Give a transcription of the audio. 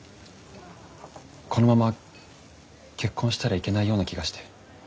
このまま結婚したらいけないような気がして。